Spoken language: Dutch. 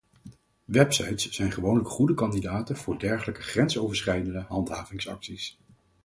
Websites zijn gewoonlijk goede kandidaten voor dergelijke grensoverschrijdende handhavingsacties.